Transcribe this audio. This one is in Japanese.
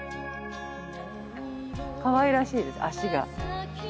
かわいらしいです足が。